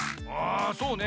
そうね。